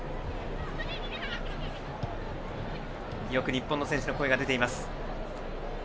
日本の選手の声がよく出ています。